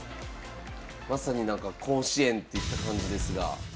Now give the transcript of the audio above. まさになんか甲子園といった感じですが。